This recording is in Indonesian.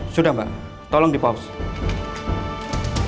sudah mbak tolong di pause